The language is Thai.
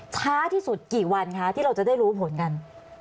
ช้าที่สุดกี่วันคะที่เราจะได้รู้ผลกัน